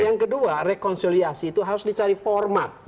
dan kemudian rekonsiliasi itu harus dicari format